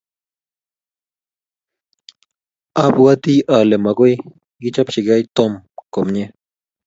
abwatii ale mokoi kichopkei Tom komie.